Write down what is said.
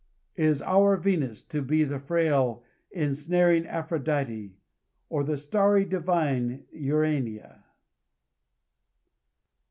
Is our Venus to be the frail, insnaring Aphrodite, or the starry, divine Urania?